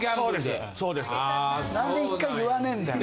何で１回言わねぇんだよ。